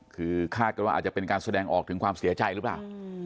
คือคาดกันว่าอาจจะเป็นการแสดงออกถึงความเสียใจหรือเปล่า